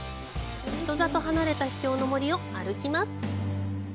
人里離れた秘境の森を歩きます。